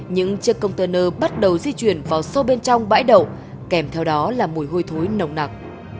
những chiếc container bắt đầu di chuyển vào sâu bên trong bãi đậu kèm theo đó là mùi hôi thối nồng nặc